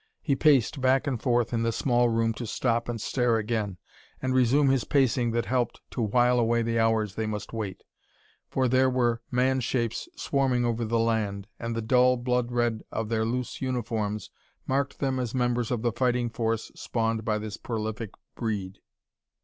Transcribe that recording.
He paced back and forth in the small room to stop and stare again, and resume his pacing that helped to while away the hours they must wait. For there were man shapes swarming over the land, and the dull, blood red of their loose uniforms marked them as members of the fighting force spawned by this prolific breed.